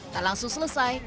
tak langsung selesai